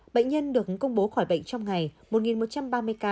bệnh nhân được công bố khỏi bệnh trong ngày một một trăm ba mươi ca